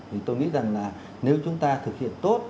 thì tôi nghĩ rằng là nếu chúng ta thực hiện tốt